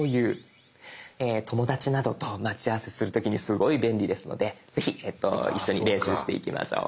友達などと待ち合わせする時にすごい便利ですのでぜひ一緒に練習していきましょう。